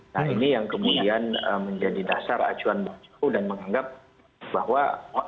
nah ini yang kemudian menjadi dasar acuan baru dan menganggap bahwa